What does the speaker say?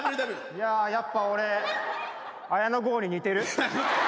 いややっぱ俺綾野剛に似てる？